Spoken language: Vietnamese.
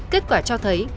kết quả cho thấy